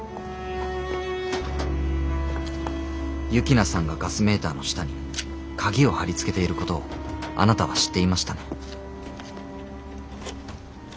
幸那さんがガスメーターの下に鍵を貼り付けていることをあなたは知っていましたね？